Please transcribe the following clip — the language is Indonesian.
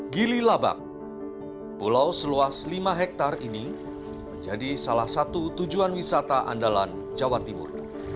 gili labak pulau seluas lima hektare ini menjadi salah satu tujuan wisata andalan jawa timur